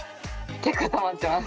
結構たまってます。